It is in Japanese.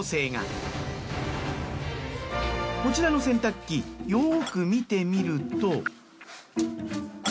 こちらの洗濯機よく見てみると。